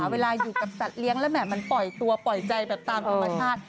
เวลาอยู่กับสัตว์เลี้ยงแล้วแหม่มันปล่อยตัวปล่อยใจแบบตามธรรมชาติ